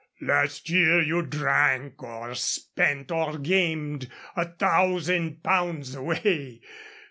Last year you drank or spent or gamed a thousand pounds away.